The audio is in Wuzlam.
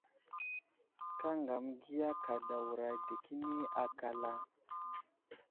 Kaŋga məgiya kadawra dəkeni akal a ?